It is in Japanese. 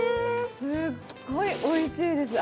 すっごいおいしいです。